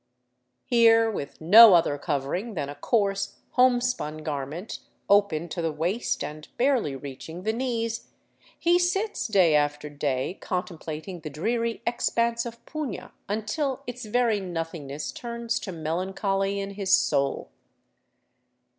Here, with no other covering than a coarse homespun garment open to the waist and barely reaching the knees, he sits day after day contemplating the dreary expanse of puna, until its very nothingness turns to melan choly in his soul.